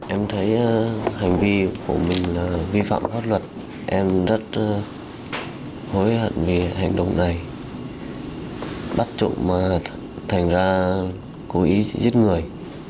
em thấy hành vi của mình là vi phạm pháp luật em rất hối hận vì hành động này bắt trộm mà thành ra cố ý chết người